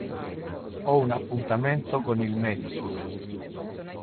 Ho un appuntamento con il medico.